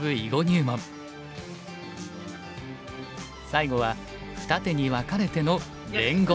最後は二手に分かれての連碁。